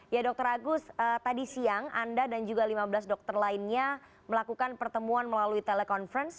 ya dr agus tadi siang anda dan juga lima belas dokter lainnya melakukan pertemuan melalui telekonferensi